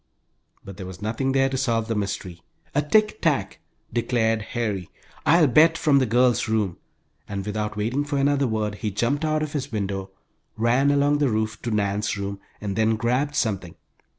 But there was nothing there to solve the mystery. "A tick tack!" declared Harry, "I'll bet, from the girls' room!" and without waiting for another word he jumped out of his window, ran along the roof to Nan's room, and then grabbed something.